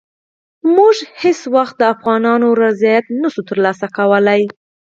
موږ هېڅ وخت د افغانانو رضایت نه شو ترلاسه کولای.